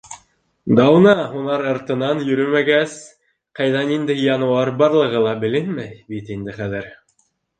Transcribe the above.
Дауна һунар артынан йөрөмәгәс, ҡайҙа ниндәй януар барлығы ла беленмәй бит инде хәҙер.